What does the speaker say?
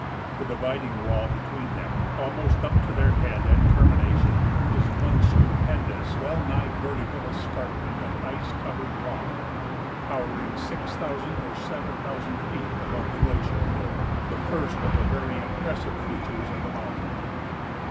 The dividing wall between them, almost up to their head and termination, is one stupendous, well nigh vertical escarpment of ice covered rock towering six thousand or seven thousand feet above the glacier floor, the first of the very impressive features of the mountain.